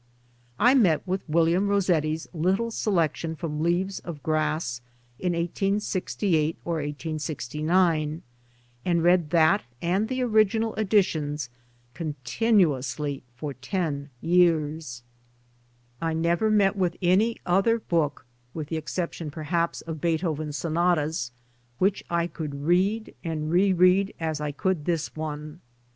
I met with William Rossetti's little selection from "Leaves of Grass" in 1868 or 1869, and read that and the original editions continuously for ten years. 5i 8 Towards Democracy I never met with any other book (with the exception perhaps of Beethoven's sonatas) which I could read and re read as I could this one.